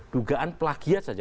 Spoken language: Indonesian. dugaan pelagiat saja